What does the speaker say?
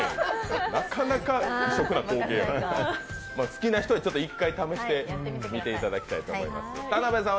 好きな人は一回試してみていただきたいと思います。